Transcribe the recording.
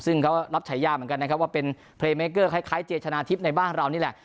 ซึ่งเขารับฉายาเหมือนกันนะครับว่าเป็นเพลงเมเกอร์คล้ายเจชนะทิพย์ในบ้านเรานี่แหละ